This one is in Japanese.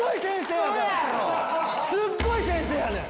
すっごい先生やねん。